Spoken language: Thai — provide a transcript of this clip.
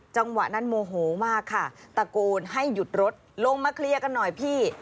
จังหวะนั้นโมโหมากค่ะตะโกนให้หยุดรถลงมาเคลียร์กันหน่อยพี่